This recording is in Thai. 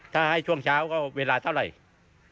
ถ้าให้ช่วงเช้าก็เวลาเท่าไหร่